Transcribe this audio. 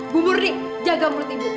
bu murni jaga mulut ibu